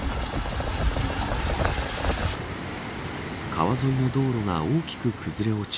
川沿いの道路が大きく崩れ落ち